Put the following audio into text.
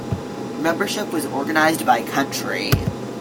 Membership was organized by country.